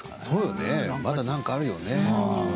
そうだよねまだ何かあるよね。